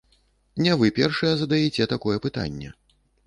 Не вы першая задаяце такое пытанне.